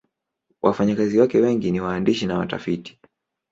Wafanyakazi wake wengi ni waandishi na watafiti.